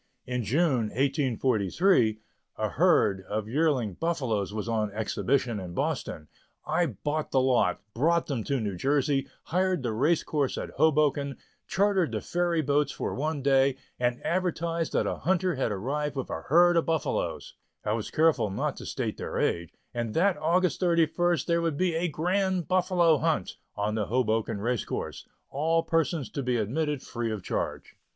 In June 1843, a herd of yearling buffaloes was on exhibition in Boston. I bought the lot, brought them to New Jersey, hired the race course at Hoboken, chartered the ferry boats for one day, and advertised that a hunter had arrived with a herd of buffaloes I was careful not to state their age and that August 31st there would be a "Grand Buffalo Hunt" on the Hoboken race course all persons to be admitted free of charge.